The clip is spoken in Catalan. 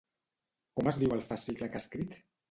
Com es diu el fascicle que ha escrit?